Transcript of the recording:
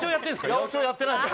八百長やってないです